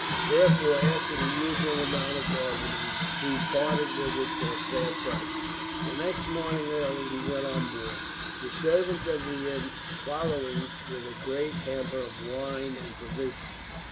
Therefore, after the usual amount of bargaining, he parted with it for a fair price. The next morning early he went on board, the servant of the inn following with a great hamper of wine and provisions.